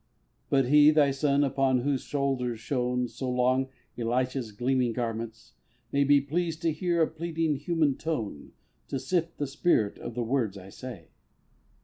But he, Thy son upon whose shoulders shone So long Elisha's gleaming garments, may Be pleased to hear a pleading human tone To sift the spirit of the words I say.